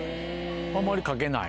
あまり掛けない。